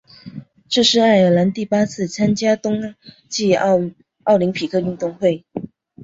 这是爱尔兰第八次参加冬季奥林匹克运动会。